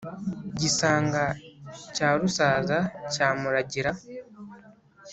gisanga cya rusaza cya muragira